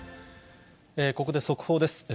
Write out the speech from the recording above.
ここで速報です。